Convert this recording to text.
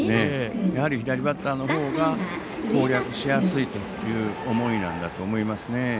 やはり左バッターのほうが攻略しやすいという思いなんだと思いますね。